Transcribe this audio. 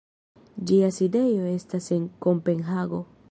Ĝia sidejo estas en Kopenhago.